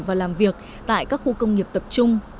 và làm việc tại các khu công nghiệp tập trung